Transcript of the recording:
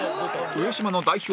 上島の代表